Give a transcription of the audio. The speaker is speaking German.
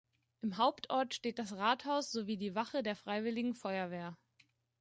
Im Hauptort steht das Rathaus sowie die Wache der Freiwilligen Feuerwehr.